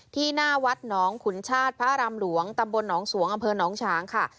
ที่หน้าวัดหนองขุนชาติพระอารามหลวงตำบลหนองสวงอำเภอหนองฉางค่ะ